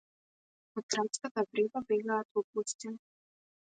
Од градската врева бегаат во пустина